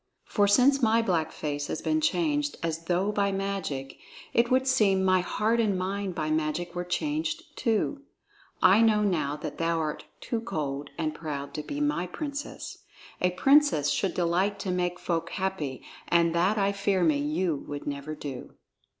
For since my black face has been changed as though by magic, it would seem my heart and mind by magic were changed too. I know now that thou art too cold and proud to be my princess; a princess should delight to make folk happy, and that I fear me you would never do."